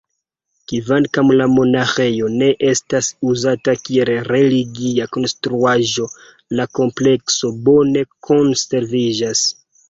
Kvankam la monaĥejo ne estas uzata kiel religia konstruaĵo, la komplekso bone konserviĝas.